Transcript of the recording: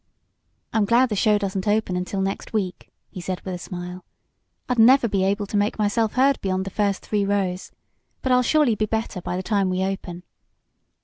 "I'm glad the show doesn't open until next week," he said with a smile. "I'd never be able to make myself heard beyond the first three rows. But I'll surely be better by the time we open."